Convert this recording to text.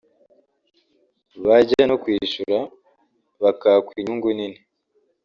bajya no kwishyura bakakwa inyungu nini